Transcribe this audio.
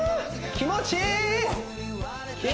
気持ちいい！